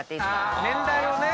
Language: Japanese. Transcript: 年代をね。